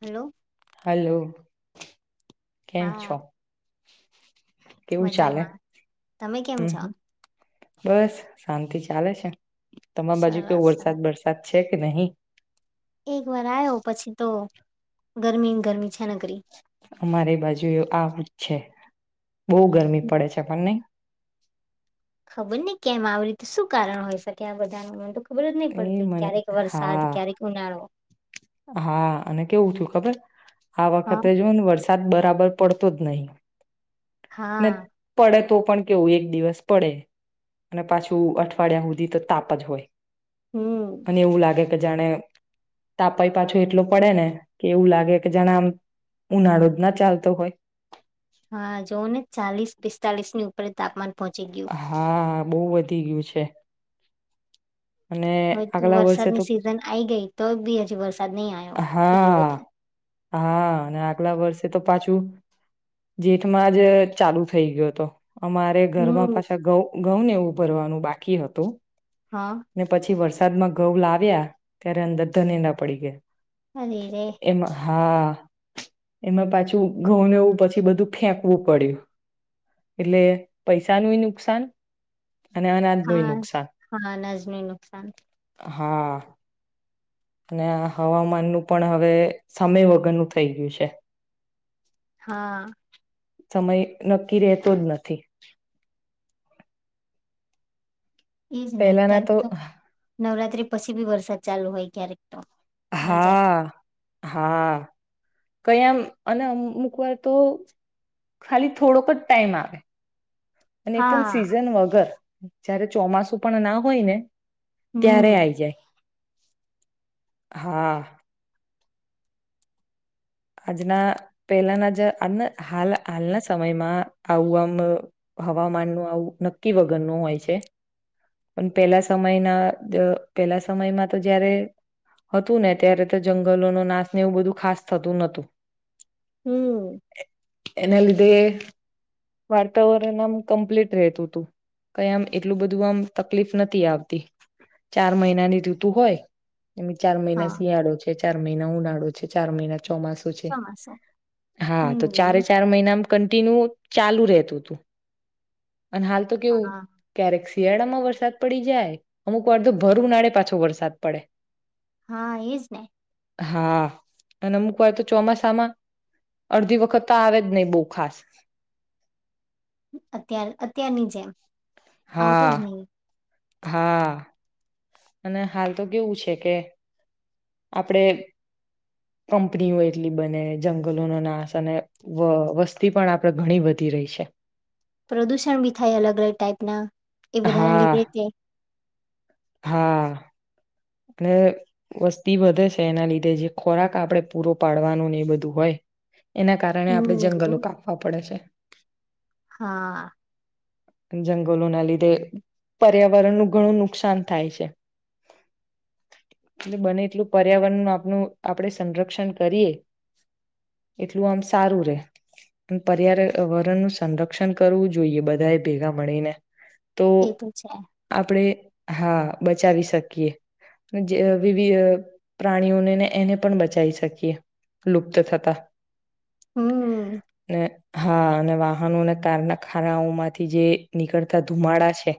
Hello hello. કેમ હા છો? કેવું ચાલે મજામાં તમે કેમ હમ છો? હમ. બસ શાંતિ ચાલે છે. તમારી બાજુ કેવો સરસ સરસ વરસાદ વરસાદ છે? કે નહી? એક વાર આવ્યો પછી તો ગરમી ને ગરમી છે નગરી. અમારી બાજુ એ આવુંજ છે. બહુ ગરમી હમ. પડે છે પણ નહી? ખબર નહીં કેમ આવી રીતે શું કારણ હોય શકે આ બધાનું મને તો ખબર જ નહી એ પડતી મને ક્યારેક વરસાદ હા ક્યારેક ઉનાળો. હા, અને કેવું થું ખબર? આ હા વખતે જો ને વર્ષ તપ બરાબર પડતો જ નહી. ને હા પડે. તો પણ કેવું એક દિવસ પડે અને પાછું અઠવાડિયા સુધી તો તાપ જ હોય. હમ અને એવું લાગે. કે જાણે તાપાઈ પાછો એટલો પડે ને કે એવું લાગે કે જાણા આમ ઉનાળો જ ના ચાલતો હોય. જો ને ચાલીસ પિસ્તાલીસ ની ઉપર તાપમાન પહોંચી ગયું. બો વધી ગયું છે. અને હવે તો આગલા વર્ષે તો વરસાદની સિઝન આઈ ગઈ તો બી હજી વરસાદ નહી આવે. હા હા અને આગલા વ તો પાછું જેઠમાં જ ચાલુ થઈ ગયો હતો. અમારે ઘરમાં હમ પાછા ગઉ. ઘઉં ને ઉપાડવાનું બાકી હતું. હા પછી વર્ષ. વસાદમાં ઘઉં લાવ્યા ત્યારે અંદર ધને ના પડી ગયા અરે રે. એમાં હા. એમાં પાછું ઘઉંનેવું પછી બધું ફેંકવું પડ્યું એટલે પૈસાનું નુકસાન. અને અનાજનુંય હા નુકસાન હા નજનું નુકસાન. હા. અને આ હવામાનનું પણ હવે સમય વગરનું થઈ ગયું છે. હા. સમય નક્કી રહેતો જ નથી. એજ ને પેલાના ક્યારેક તો નવરાત્રી પછી બી વરસાદ ચાલુ હોય ક્યારેક તો. આઈ જાય હાં. હા કયા અને અમુક વાર તો ખાલી થોડોક જ ટાઈમ આવે અને એ પણ હા સીઝન વગર. જયારે ચોમાસું પણ ના હોય ને ત્યારે હમ આઈ જાય. હાં. આજના પહેલાના જ આ હાલ હાલના સમયમાં આવું આમ હવામાનનું આવું નક્કી વગર ન હોય છે. પણ પેલા સમયના પેલા સમયમાં તો જયારે હતું ને ત્યારે તો જંગલોનો નાશને એવું બધું ખાસ થતું નતું. હમ [unintelligible] એના લીધ તે વાર્તાવરણ આમ કમ્પ્લીટ રહેતું હતું. કઈ આમ એટલું બધું આમ તકલીફ નથી આવતી ચાર મહિનાની તું હોય. એમ ચાર મહિના હા શિયાળો છે ચાર મહિના ઉનાળો છે. પછ ચાર મહિના. ચોમાસું છે ચોમાસું હા તો ચારે હમ ચાર મહિના કંન્ટિન્યુ ચાલુ રહેતું હતું. અને હાલ તો કેવું હા કેરેક્સી શિયાળા માં વરસાદ પડી જાય, અમુક વાર તો ભર ઉનાળે પાછો વરસાદ પડે. હા એજ ને હા અને અમુક વાર તો ચોમાસામાં અડધી વખત તો આવે જ નહી બો હ ખાસ. અત્યાર અત્યારની જેમ આવતો હા જ ન હા અને હાલ તો કેવું છે કે આપડે કંપનીઓ એટલી બને જંગલોનો નાશ અને વ વસ્તી પણ આપણે ઘણી બધી રહી છે. પ્રદુષણ ભી થાય અલગ અલગ ટાઈપના એ બધાના હા લીધે તે હા અને વસ્તી વધે છે એના લીધે જે ખોરાક આપણે પૂરો પાડવાનું ને એ બધું હોય એના કારણે આપણે જંગલો હમ કાપવા પડે છે. હા જંગલોના લીધે પર્યાવરણ નું ઘણું નુકસાન થાય છે. એટલે બને એટલું પર્યાવરણનું આપનું આપડે સંરક્ષણ કરીએ એટલું આમ સારું રે પર્યાવરણનું સંરક્ષણ કરવું જોઈએ બધા એ ભેગા મળીને. તો એ છે આપડે હા, બચાવી શકીએ. જે વિવિ અહ પ્રાણીઓને ને એને પણ બચાવી શકીએ લુપ્ત થતા. હમ અને હા અને વાહનો અને કારના ખાનાઓ માંથી જે નીકળતા ધુમાડા છે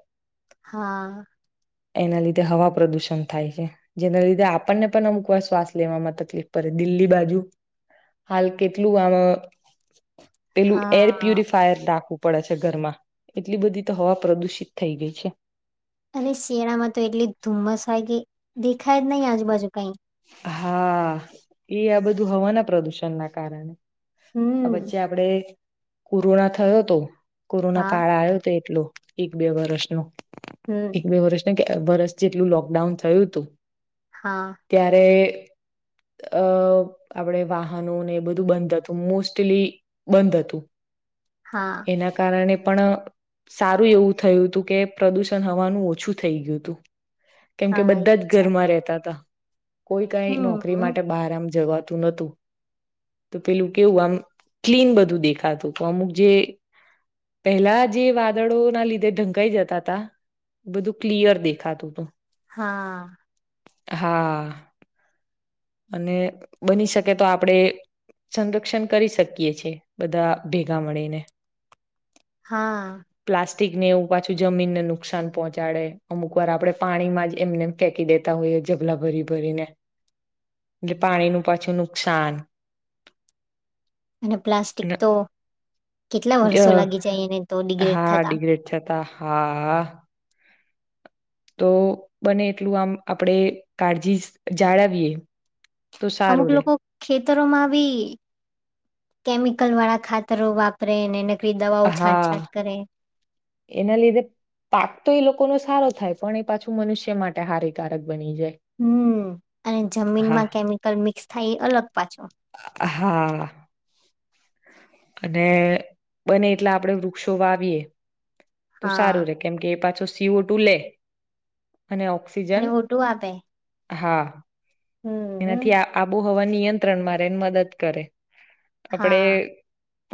હા. એના લીધે હવા પ્રદુષણ થાય છે જેના લીધે આપણને પણ અમુક વાર શ્વાસ લેવામાં તકલીફ પડે દિલ્લી બાજુ હાલ કેટલું આવા પેલું એર હા પ્યુરિફાયર રાખવુ પડે છે ઘરમાં. એટલી બધી તો હવા પ્રદુષિત થઈ ગઈ છે. અને શિયાળામાં તો એટલી ધુમ્મસ હોય કે દેખાય જ નહીિ આજુબાજુ કઈ. હા, એ આ બધું હવાના પ્રદુષણ ના કારણે. આ હમ વચ્ચે આપડે કોરોના થયો તો કોરોના હા કાળ આયો તો એટલો એક બે વરસ નો હમ એક બે વરસ ને એક વર્સ જેટલું લોકડાઉન થયું હતું હા ત્યારે અ આપણેે વાહનો ને એ બધું બંધ હતું મોસ્ટલી બંધ હતું હા એના કારણે પણ સારું એવું થયું હતું કે પ્રદુષણ હવાનું ઓછું થઈ ગયું હતું કેમ કે હા એ બધા જ તો છે ઘરમાં રતા હતા કોઈ કઈ નોકરી હમ. માટે બહાર આમ જવા નતુ તો પેલું કેવું આમ ક્લીન બધું દેખાતું હતું અમુક જે પહેલા જે વાદળો ના લીધે ઢંકાઈ જતા ત બધું ક્લિયર દેખાતું હતું હા હા અને બની શકે તો આપણે સંરક્ષણ કરી શકીએ છે બધા ભેગા મળીને હા આસ્તિકને એવું પાછું જમીનને નુકસાન પહોંચાડે અમુક વાર આપણે પાણીમાં જ એમને ફેંકી દેતા હોઈએ જબલા ભરી ભરીને એટલે પાણીનું પાછું નુકસાન અને પ્લાસ્ટિક અને તો કેટલા વર્ષો અ લાગી જાય એને તો ડિગ્રેડ થતા હ હા તો બને એટલું આમ આપણેે કાળજી જાળવીએ તો અમુક સારું રે લોકો ખેતરોમાં બી કેમિકલ વાળા ખાતરો વાપરે નેને રી દવાઓ છાંટછાંટ હા કરે એના લીધે પાક તો એ લોકો નો સારો થાય પણ એ પાછું મનુષ્ય માટે હાનિકારક બની જાય હમ અને હા જમીનમાં કેમિકલ મિક્સ થાય એ અલગ પાછો હા અને બને એટલે આપણેે વૃક્ષો વાવીએે તો હા સારું રે કેમ કે એ પાછું સી ઓ તું લે અને ઓક્સિજન અને ઓટું આપે હા. હમ એનાથી હમ આ આબો હોવા નિયંત્રણમાં રે ને મદદ કરે. આપડે હા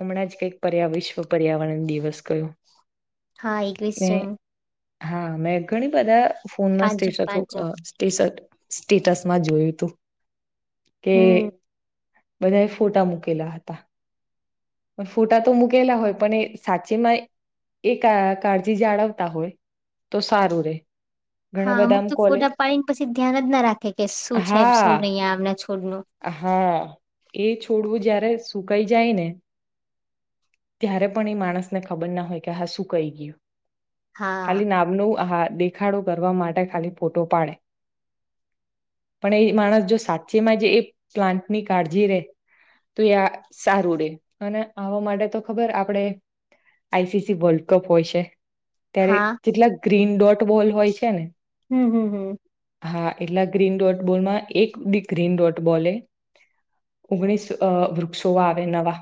હમણાં જ કઈક પર્યા વિશ્વ પર્યાવરણ દિવસ કયો. હા ને એકવીશન હા મેં ઘણી બધા ફોન ના સ્ટેજ જૂન પાંચ જૂન સ્ટેજ સ્ટેટસ માં જોયું તું કે હમ બધા એ ફોટા મૂકેલા હતા, ફોટા તો મૂકેલા હોય પણ એ સાચેમાં એ કાળજી જાળવતા હોય તો સારું રે ઘણા હા બધા અમુક આમ તો કોલે ફોટા પાડી ને પછી ધ્યાન જ ના રાખે કે શું છે. સાહેબ હા શું નહ આવના છોડ નુ હા એ છોડવું જયારે સુકાઈ જાય ને ત્યારે પણ એ માણસને ખબર ના હોય કે હા શું કહી ગયું. હા ખાલી નામનો આહાર દેખાડો કરવા માટે ખાલી ફોટો પાડે પણ એ માણસ જો સાચેમાં જ એ પ્લાન્ટની કાળજી રે તો એ સારું રે અને આવવા માટે તો ખબર આપડે આઈસીસી વર્લ્ડ કપ હોય છે. ત્યારે હા કેટલાક ગ્રીન ડોટ બોલ હોય છે ને હમ્મ-હમ્મ હમ્મ. હા એટલા ગ્રીન ડોટ બોલમાં એક બી ગ્રીન ડોટ બોલે ઓગણીસ વૃક્ષો આવે નવા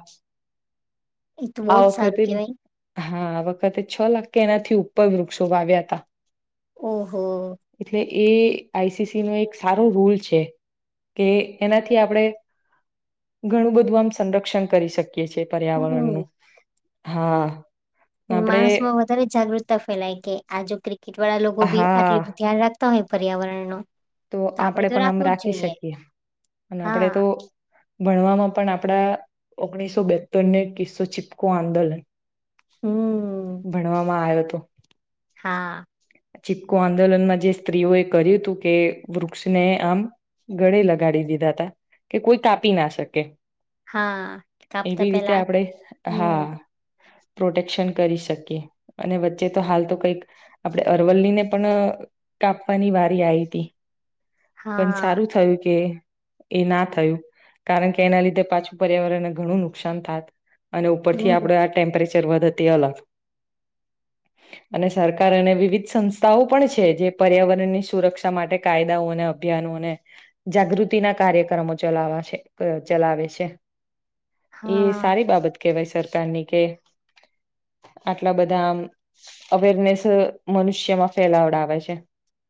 એ તો આ બહુત વખતે સારું કેવાય. હા આ વખતે છ લાખ એનાથી ઉપર વૃક્ષો વાવ્યા હતા. ઓહો. એટલે એ આઈ સી સી નો એક સારો રોલ છે, કે એનાથી આપણે, ઘણું બધું આમ સંરક્ષણ કરી શકીએ. છે પર્યાવરણનું. હમ હા. આપણે માણસમાં વધારે જાગૃતતા ફેલાય કે આ જો ક્રિ કેટ વાળા લોકો બી હા આટલી બ ધ્યાન રાખ હોય પર્યાવરણ નું. તો આપણેે પણ આમ રાખી શકીએ, અને આપણેે તો હા ભણવામાં પણ આપડા ઓગણીસો બેતર ને કિસ્સો ચીપકો આંદોલન. હમ ભણવામાં આવ્યો. તો. હા. ચીપકો આંદોલનમાં જે સ્ત્રીઓ એ કર્યું હતું કે વૃક્ષને આમ ગળે લગાડી દીધા હતા, કે કોઈ કાપી ના શકે. હા કાપતા એવી રીતે પેલા આપડે હમ હા. પ્રોટેક્શન કરી શકીએ, અને વચ્ચે તો હાલ તો કંઈક. આપડણે અરવલ્લીને પણ કાપવાની વારી આવી હતી. પણ હા સારું થયું કે એ ના થયું, કારણ કે એના લીધે પાછું પર્યાવરણને ઘણું નુકસાન થાય. અને ઉપરથી હમ આપડ આ ટેમ્પરેચર અ [unintelligible] કારણે વિવિધ સંસ્થાઓ પણ છે જે પર્યાવરણની સુરક્ષા માટે કાયદાઓ અને અભિયાનો અને, જાગૃતિના કાર્યક્રમો ચલાવા છે ચલાવે છે. એ હા સારી બાબત કવાય સરકારની કે, આટલા બધા આમ અવેરનેસ મનુષ્યમાં ફેલાવડાવે છે.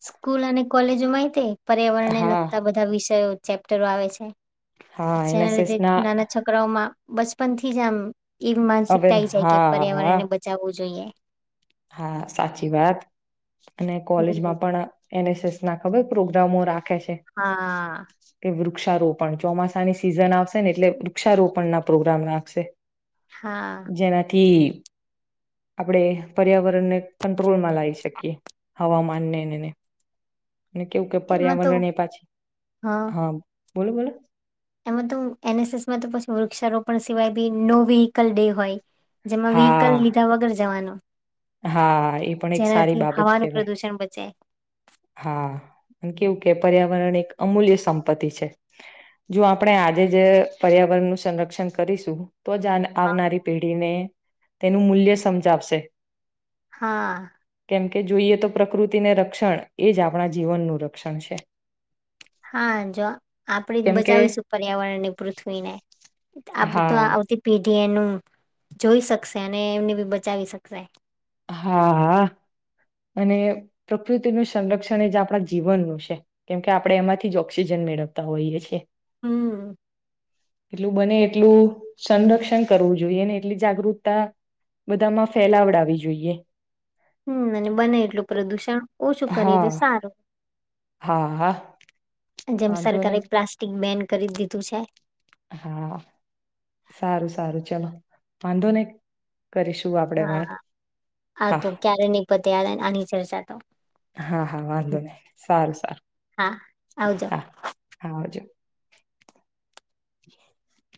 સ્કૂલ અને કોલેજોમાંય તે પર્યાવરણને હા લગતા બધા વિ ચેપ્ટરો આવે છે. હા જેના એનએસએસ લીધે ના નાના છોકરાઓમાં બચપનથી જ આમ એવી હવે માનસિકતા એ જાય કે હા પર્યાવરણ હા ને બચાવવું જોઈએ. હા સાચી વાત. અને હમ કોલેજમાં પણ એન એસ એસ. ના ખબર પ્રોગ્રામ રાખ છે, હા કે વૃ વૃક્ષારોપણ ચોમાસાની સિઝન આવશે ને એટલે વૃક્ષારોપણ ના પ્રોગ્રામ રાખશે. હા જેનાથી આપણેે પર્યાવરણને કંટ્રોલ લાવી શકીએ હવામાન અને [unintelligible] અને કેવું કે એમાં તો પર્યાવરણ એ પાછી હા. બોલો બોલો. એમાં તો એન એસ એસમાં તો પછી વૃક્ષારોપણ સિવાય બી નો વેહીકલ ડે હોય. જેમાં વ્હકલ હા લીધા વગર જવાનું. હા એ પણ એક સારી જેનાથી બાબત હવાનું કેહવાય. પ્રદુષણ બચે. હા, અને કેવું કે પર્યાવરણ એક અમૂલ્ય સંપત્તિ છે, જો આપણે આજે જે પર્યાવરણનું સંરક્ષણ કરીશું. તો જ આન આવનારી પેઢીને તેનું મૂલ્ય સમજાવશે. હા. કેમ કે જોઈએ તો પ્રકૃતિને રક્ષણ. એ જ આપણા જીવનનું રક્ષણ છે. હા જો આપણેે જ કેમ કે બચાવીશું પર્યાવરણ ની પૃથ્વીને, આપડે તો હા આવતી પીઢ એનું જોઈ શકશે અને એમને બી બચાવી શકશે. હા અને પ્રકૃતિનું સંરક્ષણ એ જ આપણા જીવનનું છે, કેમકે આપણે એમાંથી જ ઓક્સિજન મેળવતા હોઈએ છીએ. હમ. એટલું બને એટલું સંરક્ષણ કરવું જોઈએ ને એટલી જાગૃતતા બધામાં ફેલાવડાવી જોઈએ. જોઈએ. હમ અને બને એટલું પ્રદુષણ ઓછું કરીએ તો હા સારું. હા હા જેમ વાંધો નહી સરકારે પ્લાસ્ટિક બેન્ડ કરીજ દીધું છે. હા! સારું-સારું ચલો વાંધો નઈ. હા હા, હા આતો ક્યારેય નઈ પતે આ આની ચર્ચા તો હા હા વાંધો નહી સારું સારું હા આવજો. હા હા આવજો [unintelligible]